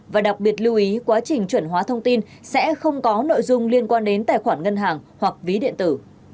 và đặc biệt lưu ý quá trình chuẩn hóa thông tin sẽ không có nội dung liên quan đến tài khoản ngân hàng hoặc ví điện tử